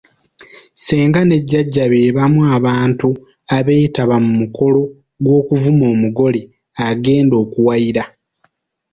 Ssenga ne Jjajja beebamu abantu abeetaba mu mukolo gw’okuvuma omugole agenda akuwayira.